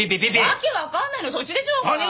訳分かんないのはそっちでしょうが。